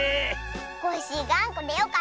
コッシーがんこでよかったね。